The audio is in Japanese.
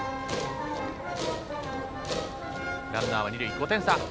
ランナーは二塁、５点差。